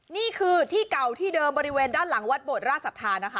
นี่คือที่เก่าที่เดิมบริเวณด้านหลังวัดโบดราชศรัทธานะคะ